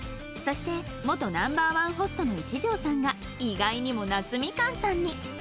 そして元 Ｎｏ．１ ホストの一条さんが意外にもなつみかんさんに